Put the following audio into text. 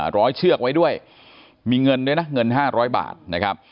ร้อยเชือกไว้ด้วยมีเงินด้วยนะเงินห้าร้อยบาทนะครับ